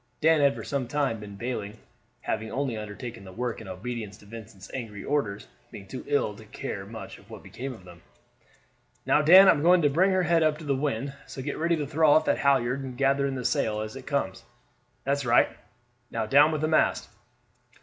Dan had for some time been bailing, having only undertaken the work in obedience to Vincent's angry orders, being too ill to care much what became of them. "Now, Dan, I am going to bring her head up to the wind, so get ready to throw off that halyard and gather in the sail as it; comes down. That's right, man; now down with the mast."